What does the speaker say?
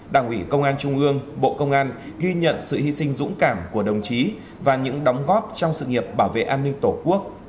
đảng ủy công an trung ương bộ công an ghi nhận sự hy sinh dũng cảm của đồng chí và những đóng góp trong sự nghiệp bảo vệ an ninh tổ quốc